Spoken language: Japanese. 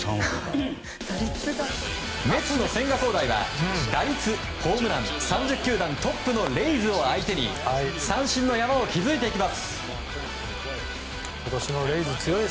メッツの千賀滉大は打率ホームラン３０球団トップのレイズを相手に三振の山を築いていきます。